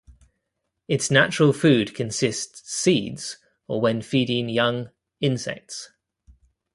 Its natural food consists seeds, or when feeding young, insects.